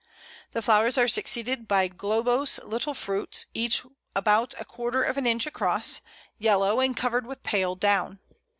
] The flowers are succeeded by globose little fruits, each about a quarter of an inch across, yellow, and covered with pale down.